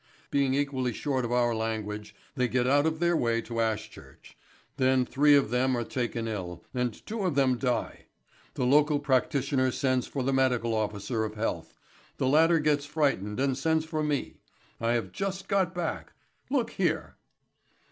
Being equally short of our language, they get out of their way to Ashchurch. Then three of them are taken ill, and two of them die. The local practitioner sends for the medical officer of health. The latter gets frightened and sends for me. I have just got back. Look here."